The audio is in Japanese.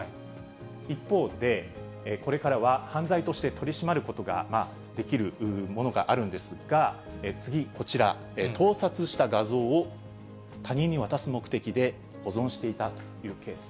一方で、これからは犯罪として取り締まることができるものがあるんですが、次ぎ、こちら、盗撮した画像を他人に渡す目的で保存していたというケース。